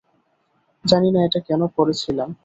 জানি না এটা কেন পরে ছিলাম।